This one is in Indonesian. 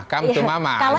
kalau ingin bergabung